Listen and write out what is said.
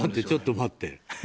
ちょっと待って。